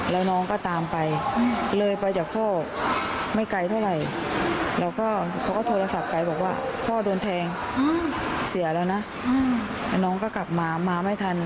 แล้วน้องหนูก็จะอยู่อย่างไรเดียวได้